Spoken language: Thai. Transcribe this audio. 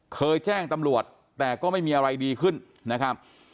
เคยแจ้งตำรวจแต่ก็ไม่มีอะไรดีขึ้นนะครับ